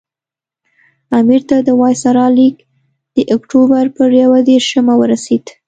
امیر ته د وایسرا لیک د اکټوبر پر یو دېرشمه ورسېد.